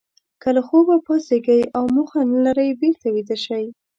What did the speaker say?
که له خوبه پاڅېږئ او موخه نه لرئ بېرته ویده شئ.